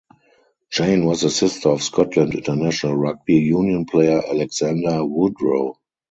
Jane was the sister of Scotland international rugby union player Alexander Woodrow.